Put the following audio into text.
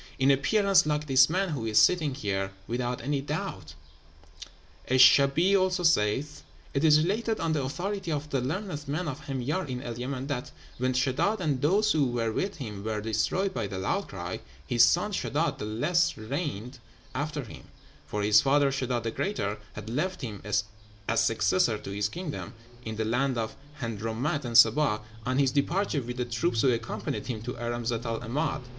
in appearance like this man who is sitting here, without any doubt.' Esh Shaabee also saith, 'It is related, on the authority of the learned men of Hemyer, in El Yemen, that when Sheddád and those who were with him were destroyed by the loud cry, his son Sheddád the Less reigned after him; for his father, Sheddád the Greater, had left him as successor to his kingdom, in the land of Hadramót and Seba, on his departure with the troops who accompanied him to Irem Zat el 'Emád.